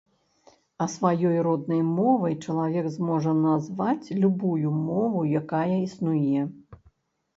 А сваёй роднай мовай чалавек зможа назваць любую мову, якая існуе.